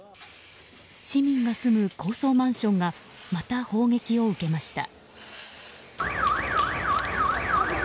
市民が住む高層マンションがまた砲撃を受けました。